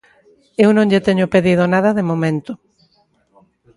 Eu non lle teño pedido nada de momento.